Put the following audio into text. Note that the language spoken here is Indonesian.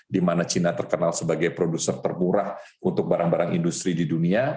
di mana cina terkenal sebagai produser termurah untuk barang barang industri di dunia